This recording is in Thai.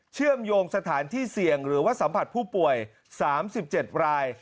เชื่อมโยงสถานที่เสี่ยงหรือว่าสัมผัสผู้ป่วย๓๗ราย